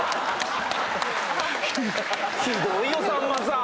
ひどいよさんまさん。